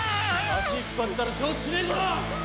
足引っ張ったら承知しねえぞ！